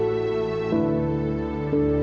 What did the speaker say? dewi mau jenguk satri ya tante